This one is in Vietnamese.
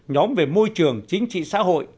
một nhóm về môi trường chính trị xã hội